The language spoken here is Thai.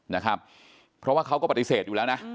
นะครับเพราะว่าเขาก็ปฏิเสธอยู่แล้วนะ